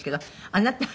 あなた